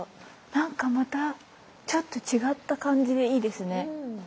何かまたちょっと違った感じでいいですね。